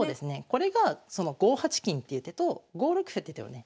これが５八金っていう手と５六歩って手をね